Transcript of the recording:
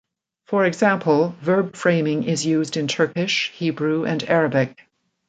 For example, verb framing is used in Turkish, Hebrew and Arabic.